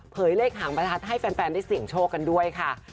เลขหางประทัดให้แฟนได้เสี่ยงโชคกันด้วยค่ะ